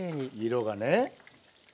色がね。